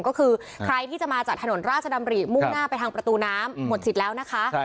ก็คือใครที่จะมาจากถนนราชดำริมุ่งหน้าไปทางประตูน้ำหมดสิทธิ์แล้วนะคะ